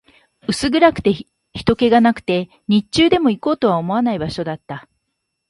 薄暗くて、人気がなくて、日中でも行こうとは思わない場所だった